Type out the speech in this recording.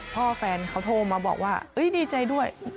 แฟนเขาโทรมาบอกว่าดีใจด้วย